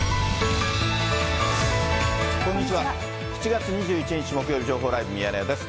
７月２１日木曜日、情報ライブミヤネ屋です。